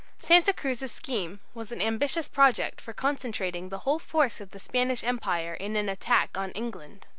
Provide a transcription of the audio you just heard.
Santa Cruz's scheme was an ambitious project for concentrating the whole force of the Spanish Empire in an attack on England.